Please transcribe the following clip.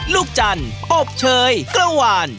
ลูกจันทร์โป๊บเชยเกลื้อวาน